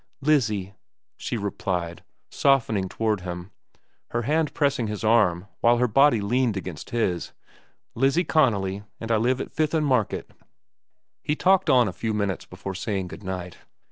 "Lizzie," she replied, softening toward him, her hand pressing his arm, while her body leaned against his. "Lizzie Connolly. And I live at Fifth an' Market." He talked on a few minutes before saying good night.